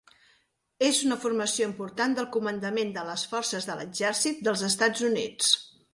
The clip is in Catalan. Es una formació important del Comandament de les Forces de l'Exèrcit dels Estats Units.